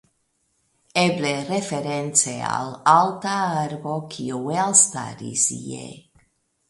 Eble reference al alta arbo kiu elstaris ie.